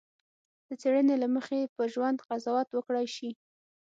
د څېړنې له مخې په ژوند قضاوت وکړای شي.